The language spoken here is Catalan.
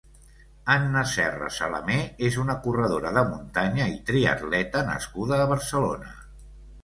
Anna Serra Salamé és una corredora de muntanya i triatleta nascuda a Barcelona.